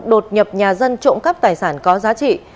đột nhập nhà dân trộm cắp tài sản có giá trị